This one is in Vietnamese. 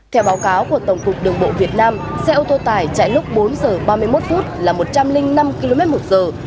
theo báo cáo của tổng cục đường bộ việt nam xe ô tô tải chạy lúc bốn giờ ba mươi một phút là một trăm linh năm km một giờ